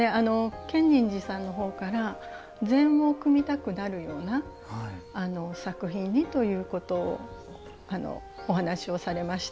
建仁寺さんのほうから禅を組みたくなるような作品にということをお話をされまして。